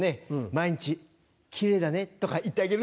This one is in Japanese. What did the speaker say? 毎日「キレイだね」とか言ってあげる。